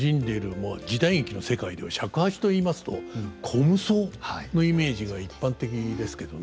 まあ時代劇の世界では尺八といいますと虚無僧のイメージが一般的ですけどね。